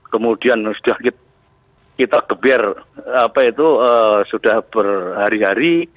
kemudian sudah kita geber apa itu sudah berhari hari